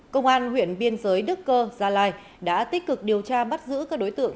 công an huyện biên giới đức cơ gia lai đã tích cực điều tra bắt giữ các đối tượng